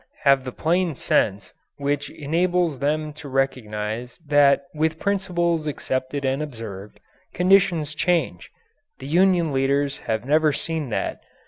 have the plain sense which enables them to recognize that with principles accepted and observed, conditions change. The union leaders have never seen that.